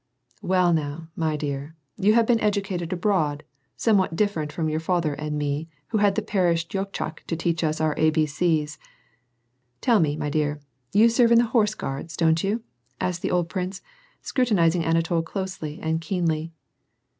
" Well now, my dear, you have been educated abroad, some what different from your father and me, who had the parish dyachok teach us our abc's. Tell me, my dear, you serve in the Horse Guards, don't you ?" asked the old prince, scruti nizing Anatol closely and keenly.